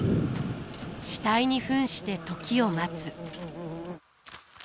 死体に扮して時を待つ。